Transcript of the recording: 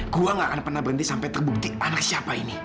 gua gak akan pernah berhenti sampai terbukti anak siapa ini